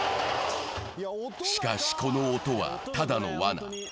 しかし、この音はただのわな。